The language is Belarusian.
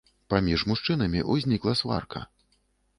Паміж мужчынамі ўзнікла сварка.